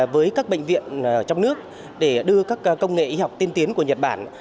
với các bệnh viện trong nước để đưa các công nghệ y học tiên tiến của nhật bản